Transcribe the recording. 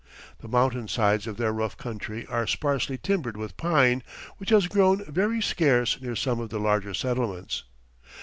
The mountainsides of their rough country are sparsely timbered with pine, which has grown very scarce near some of the larger settlements.